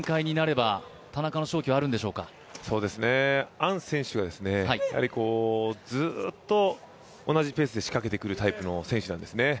アン選手がずっと同じペースで仕掛けてくるタイプの選手なんですね。